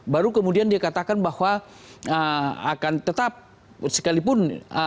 baru kemudian dikatakan bahwa akan tetap sekalipun